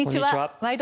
「ワイド！